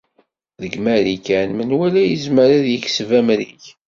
Deg Marikan, menwala yezmer ad yekseb amrig.